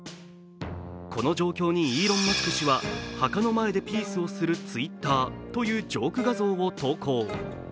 この状況にイーロン・マスク氏は墓の前でピースするＴｗｉｔｔｅｒというジョーク画像を投稿。